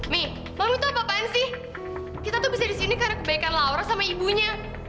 mi mami tuh apaan sih kita tuh bisa disini karena kebaikan laura sama ibunya